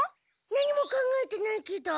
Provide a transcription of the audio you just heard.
何も考えてないけど。